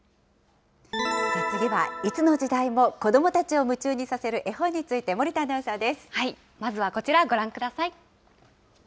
次はいつの時代も子どもたちを夢中にさせる絵本について、森まずはこちら、ご覧ください。